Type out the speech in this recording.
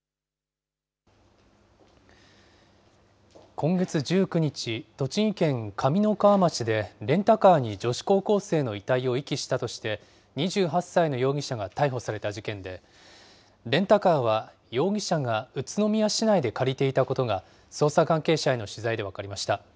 今月１９日、栃木県上三川町でレンタカーに女子高校生の遺体を遺棄したとして、２８歳の容疑者が逮捕された事件で、レンタカーは容疑者が宇都宮市内で借りていたことが捜査関係者への取材で分かりました。